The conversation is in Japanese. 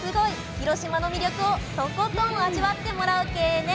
広島の魅力をとことん味わってもらうけえね！